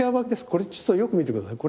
これちょっとよく見て下さい。